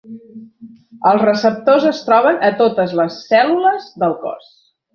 Els receptors es troben a totes les cèl·lules del cos.